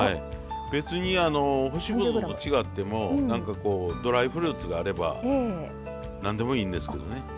別に干しぶどうと違っても何かこうドライフルーツがあれば何でもいいんですけどね。